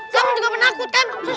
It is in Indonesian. kamu juga menakutkan